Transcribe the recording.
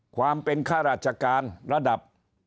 ความเป็นข้าราชการระดับ